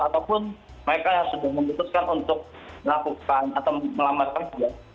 ataupun mereka yang sudah memutuskan untuk melakukan atau melambat kerja